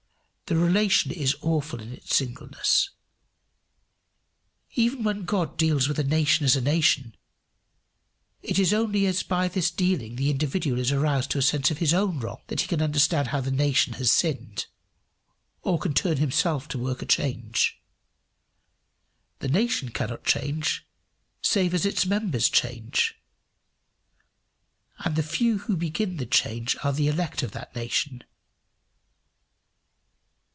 The relation is awful in its singleness. Even when God deals with a nation as a nation, it is only as by this dealing the individual is aroused to a sense of his own wrong, that he can understand how the nation has sinned, or can turn himself to work a change. The nation cannot change save as its members change; and the few who begin the change are the elect of that nation.